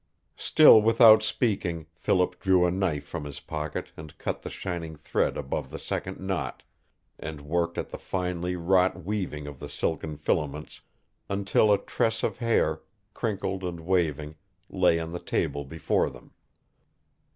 Still without speaking, Philip drew a knife from his pocket and cut the shining thread above the second knot, and worked at the finely wrought weaving of the silken filaments until a tress of hair, crinkled and waving, lay on the table before them.